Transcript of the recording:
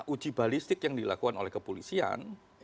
uji balistik yang dilakukan oleh kepolisian